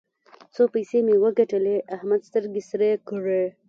څو پيسې مې وګټلې؛ احمد سترګې سرې کړې.